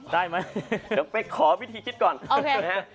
เดี๋ยวไปขอวิธีคิดก่อนนะครับ